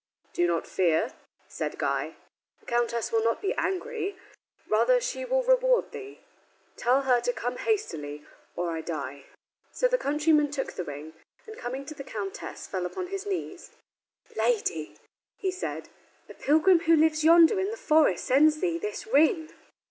"Do not fear," said Guy, "the countess will not be angry; rather will she reward thee. Tell her to come hastily or I die." So the countryman took the ring, and, coming to the countess fell upon his knees. "Lady," he said, "a pilgrim who lives yonder in the forest sends thee this ring."